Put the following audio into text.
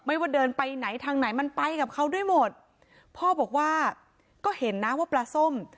ว่าเดินไปไหนทางไหนมันไปกับเขาด้วยหมดพ่อบอกว่าก็เห็นนะว่าปลาส้ม